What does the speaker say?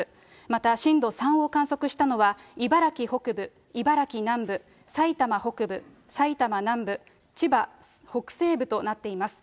また震度３を観測したのは、茨城北部、茨城南部、埼玉北部、埼玉南部、千葉北西部となっています。